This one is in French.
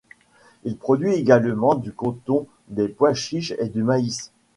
Il produit également du coton, des pois chiches et du maïs.